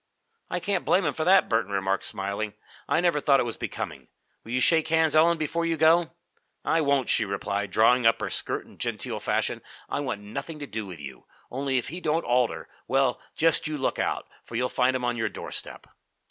"I can't blame him for that," Burton remarked, smiling. "I never thought it becoming. Will you shake hands, Ellen, before you go?" "I won't!" she replied, drawing up her skirt in genteel fashion. "I want nothing to do with you. Only, if he don't alter, well, just you look out, for you'll find him on your doorstep."